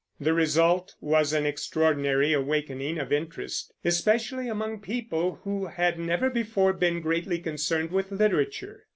The result was an extraordinary awakening of interest, especially among people who had never before been greatly concerned with literature.